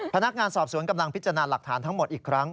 พนักงานสอบสวนกำลังพิจารณาหลักฐานทั้งหมดอีกครั้ง